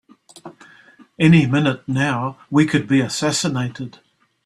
Any minute now we could be assassinated!